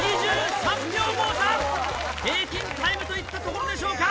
平均タイムといったところでしょうか。